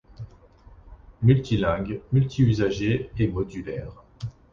Multilingue, multiusager et modulaire.